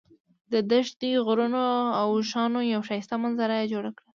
د دښتې، غرونو او اوښانو یوه ښایسته منظره یې جوړه کړه.